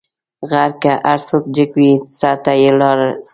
غر که هر څو جګ وي؛ سر ته یې لار سته.